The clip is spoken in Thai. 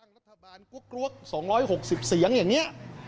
รัฐบาลกรวก๒๖๐เสียงอย่างนี้